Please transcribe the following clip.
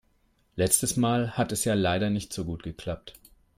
Letztes Mal hat es ja leider nicht so gut geklappt.